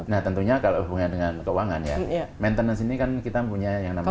nah tentunya kalau hubungan dengan keuangan ya maintenance ini kan kita punya yang namanya